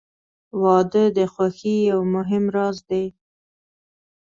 • واده د خوښۍ یو مهم راز دی.